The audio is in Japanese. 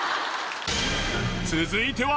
続いては